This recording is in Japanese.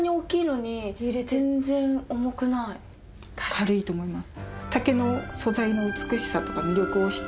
軽いと思います。